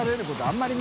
あんまり。